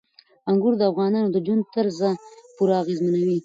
انګور د افغانانو د ژوند طرز پوره اغېزمنوي.